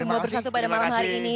semua bersatu pada malam hari ini